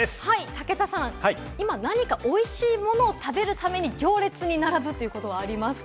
武田さん、今何かおいしいものを食べるために行列に並ぶということはありますか？